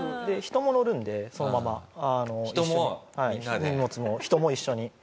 人も乗るんでそのまま一緒に。